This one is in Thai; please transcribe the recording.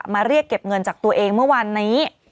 เรียกเก็บเงินจากตัวเองเมื่อวานนี้